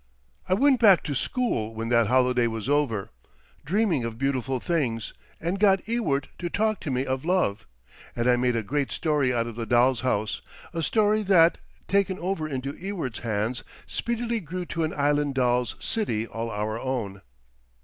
I went back to school when that holiday was over, dreaming of beautiful things, and got Ewart to talk to me of love; and I made a great story out of the doll's house, a story that, taken over into Ewart's hands, speedily grew to an island doll's city all our own.